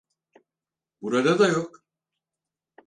Burada da yok.